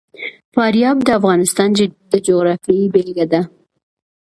فاریاب د افغانستان د جغرافیې بېلګه ده.